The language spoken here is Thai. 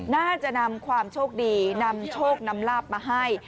น่าจะนำความโชคดีนำโชคนำลาบมาให้